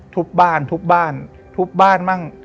ทุบบ้านทุบบ้านทุบบ้านมั่ง